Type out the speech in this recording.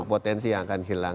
potensi yang akan hilang